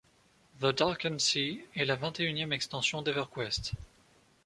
The Darkened Sea est la vingt et unième extension d'EverQuest.